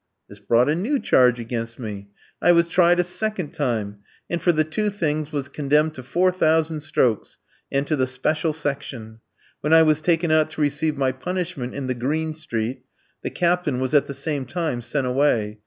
"This brought a new charge against me. I was tried a second time, and for the two things was condemned to four thousand strokes, and to the special section. When I was taken out to receive my punishment in the Green Street, the captain was at the same time sent away.